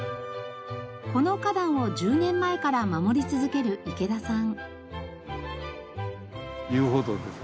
この花壇を１０年前から守り続ける池田さん。